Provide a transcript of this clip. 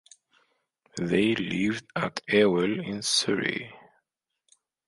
They lived at Ewell in Surrey.